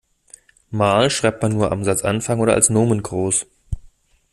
Mal schreibt man nur am Satzanfang oder als Nomen groß.